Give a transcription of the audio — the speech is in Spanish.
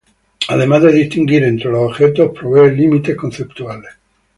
Además de distinguir entre los objetos provee límites conceptuales.